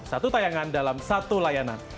satu tayangan dalam satu layanan